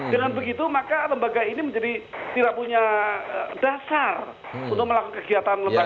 dengan begitu maka lembaga ini menjadi tidak punya dasar untuk melakukan kegiatan lembaga